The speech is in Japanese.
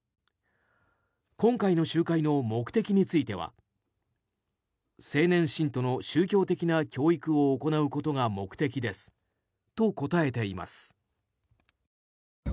今回の集会の目的については青年信徒の宗教的な教育を行うことが目的ですと答えています。